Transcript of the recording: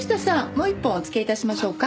もう一本おつけ致しましょうか？